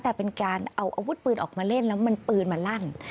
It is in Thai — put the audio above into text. แต่เป็นการเอาอาวุธปืนออกมาเล่นแล้วมันปืนมาลั่น